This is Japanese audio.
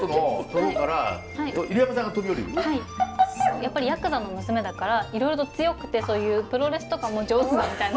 やっぱりヤクザの娘だからいろいろと強くてそういうプロレスとかも上手だみたいな。